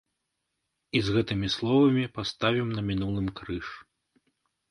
І з гэтымі словамі паставім на мінулым крыж.